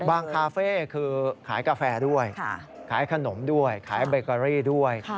คาเฟ่คือขายกาแฟด้วยขายขนมด้วยขายเบเกอรี่ด้วย